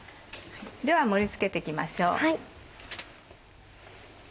では盛り付けて行きましょう。